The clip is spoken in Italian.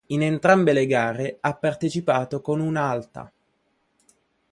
In entrambe le gare ha partecipato con una Alta.